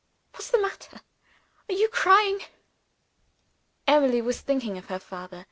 What's the matter? Are you crying?" Emily was thinking of her father.